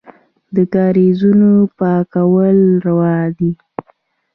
د کاریزونو پاکول روان دي؟